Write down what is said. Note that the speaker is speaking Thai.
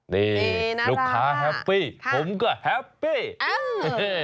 นี่ลูกค้าแฮปปี้ผมก็แฮปปี้เออ